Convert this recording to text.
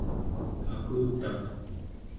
akutaq